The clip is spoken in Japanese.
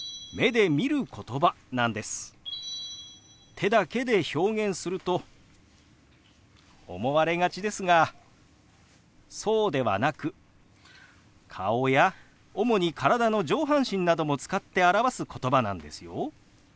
手だけで表現すると思われがちですがそうではなく顔や主に体の上半身なども使って表すことばなんですよ。